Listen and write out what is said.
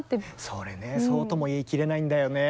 それねそうとも言い切れないんだよね。